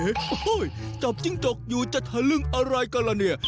โอ้โหจบจิ้งจกอยู่จะทะลึงอะไรก็ละเนี่ย